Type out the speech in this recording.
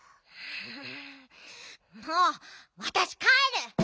んもうわたしかえる！